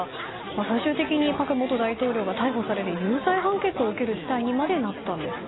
最終的に朴元大統領が逮捕されて有罪判決を受ける事態にまでなったんです。